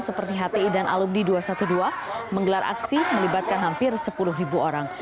seperti hti dan alumni dua ratus dua belas menggelar aksi melibatkan hampir sepuluh orang